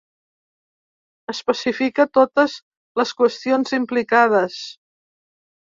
Especifica totes les qüestions implicades.